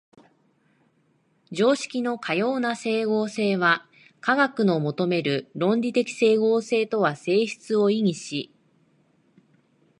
常識のかような斉合性は科学の求める論理的斉合性とは性質を異にし、